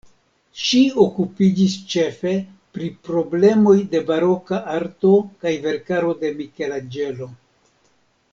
Ŝi okupiĝis ĉefe pri problemoj de baroka arto kaj verkaro de Mikelanĝelo.